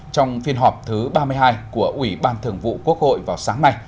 trong phiên họp thứ ba mươi hai của ủy ban thường vụ quốc hội vào sáng nay